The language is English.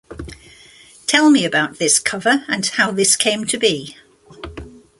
Tell me about this cover and how this came to be?